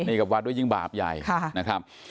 นี่กับวัดด้วยยิ่งบาปใหญ่นะครับ